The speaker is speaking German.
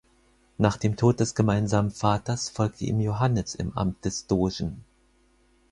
Nach dem Tod des gemeinsamen Vaters folgte ihm Iohannes im Amt des Dogen.